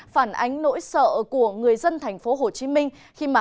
phản ánh nỗi sợ của người dân thành phố hồ chí minh